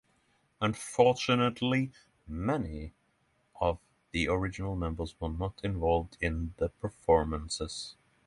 Unfortunately, many of the original members were not involved in the performances.